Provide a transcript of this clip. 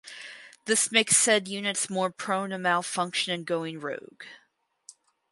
This makes said units more prone to malfunction and going rogue.